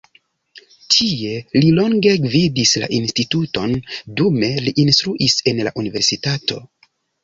Tie li longe gvidis la instituton, dume li instruis en la universitato.